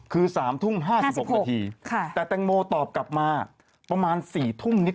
คือ๓ทุ่ม๕๖นาทีแต่แตงโมตอบกลับมาประมาณ๔ทุ่มนิด